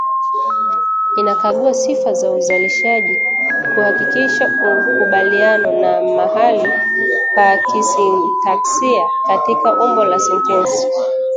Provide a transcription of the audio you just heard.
Inakagua sifa za uzalishaji kuhakikisha ukubaliano na mahali pa kisintaksia katika umbo la sentensi